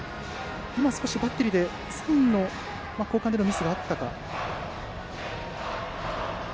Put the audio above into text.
先程、バッテリーでサインの交換でのミスがあったか。